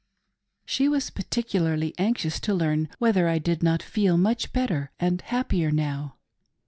She was particularly anxious to learn whether I did not feel much better and happier now.